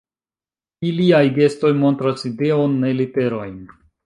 Iliaj gestoj montras ideon, ne literojn.